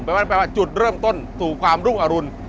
แปลว่าจุดเริ่มต้นสู่ความรุ่งอรุณ